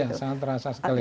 ya sangat terasa sekali